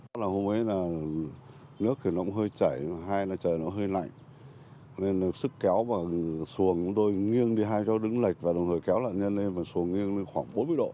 hôm ấy là nước nó hơi chảy hay là trời nó hơi lạnh nên sức kéo và xuồng đôi nghiêng đi hai chỗ đứng lệch và đồng thời kéo lặn nhân lên và xuồng nghiêng lên khoảng bốn mươi độ